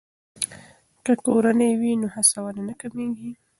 که کورنۍ وي نو هڅونه نه کمیږي.